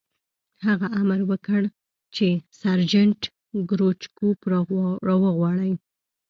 هغه امر وکړ چې سرجنټ کروچکوف را وغواړئ